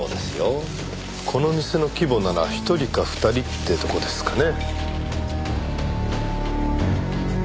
この店の規模なら１人か２人ってとこですかね。